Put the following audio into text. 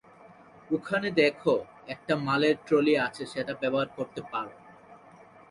ওখানে দেখো, একটা মালের ট্রলি আছে, সেটা ব্যবহার করতে পারো।